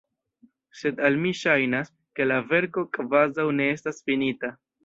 Sed al mi ŝajnas, ke la verko kvazaŭ ne estas finita.